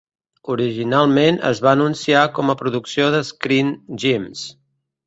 Originalment es va anunciar com a producció de Screen Gems.